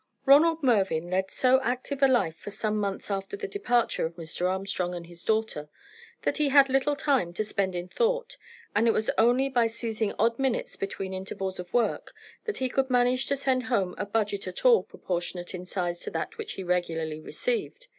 Ronald Mervyn led so active a life for some months after the departure of Mr. Armstrong and his daughter, that he had little time to spend in thought, and it was only by seizing odd minutes between intervals of work that he could manage to send home a budget at all proportionate in size to that which he regularly received.